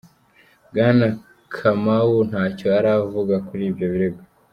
Bwana Kamau nta cyo aravuga kuri ibyo birego.